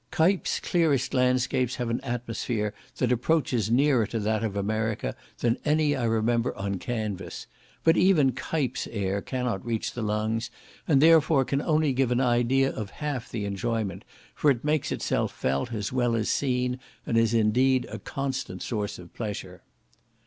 Cuyp's clearest landscapes have an atmosphere that approaches nearer to that of America than any I remember on canvas; but even Cuyp's air cannot reach the lungs, and, therefore, can only give an idea of half the enjoyment; for it makes itself felt as well as seen, and is indeed a constant source of pleasure.